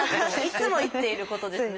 いつも言っていることです。